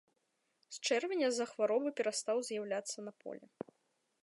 З чэрвеня з-за хваробы перастаў з'яўляцца на полі.